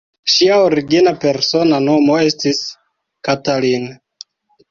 Ŝia origina persona nomo estis "Katalin".